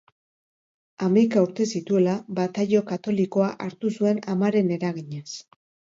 Hamaika urte zituela, bataio katolikoa hartu zuen amaren eraginez.